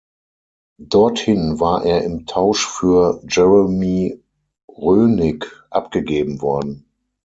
Dorthin war er im Tausch für Jeremy Roenick abgegeben worden.